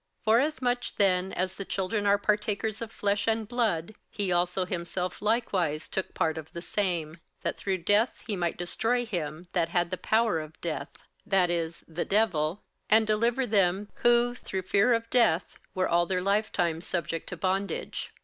58:002:014 Forasmuch then as the children are partakers of flesh and blood, he also himself likewise took part of the same; that through death he might destroy him that had the power of death, that is, the devil; 58:002:015 And deliver them who through fear of death were all their lifetime subject to bondage.